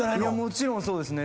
もちろんそうですね。